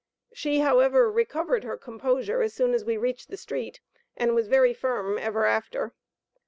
She, however, recovered her composure as soon as we reached the street, and was very firm ever after.